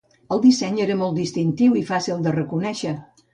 El disseny era molt distintiu i fàcil de reconèixer.